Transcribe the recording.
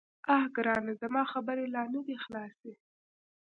_اه ګرانه، زما خبرې لا نه دې خلاصي.